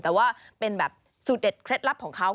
แต่ว่าเป็นแบบสูตรเด็ดเคล็ดลับของเขา